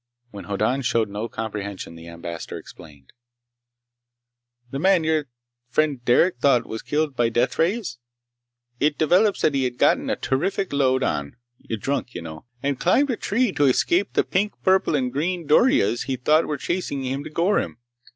When Hoddan showed no comprehension, the Ambassador explained, "The man your friend Derec thought was killed by deathrays. It develops that he'd gotten a terrific load on—drunk, you know—and climbed a tree to escape the pink, purple, and green duryas he thought were chasing him to gore him.